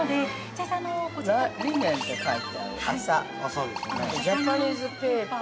あとジャパニーズペーパー。